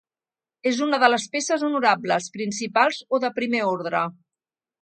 És una de les peces honorables, principals o de primer ordre.